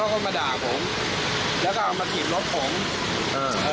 ขอจอดตรงนี้แป๊บเดียวรอไฟแดงใช่ไหม